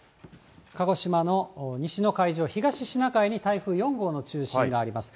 鹿児島の西の海上、東シナ海に台風４号の中心があります。